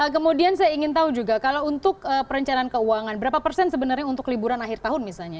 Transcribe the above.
kemudian saya ingin tahu juga kalau untuk perencanaan keuangan berapa persen sebenarnya untuk liburan akhir tahun misalnya